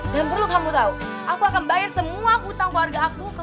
dan perlu kamu tahu aku akan bayar semua hutang keluarga aku ke keluarga kamu